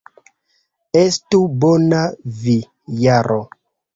Estu bona vi, Jaro!